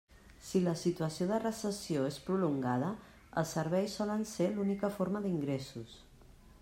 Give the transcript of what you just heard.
Si la situació de recessió és prolongada, els serveis solen ser l'única forma d'ingressos.